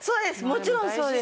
もちろんそうです。